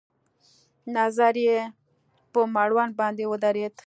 نظر يې په مړوند باندې ودرېد.